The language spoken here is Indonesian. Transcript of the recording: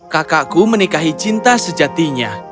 kakakku menikahi cinta sejatinya